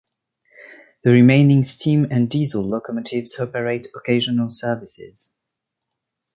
The remaining steam and diesel locomotives operate occasional services.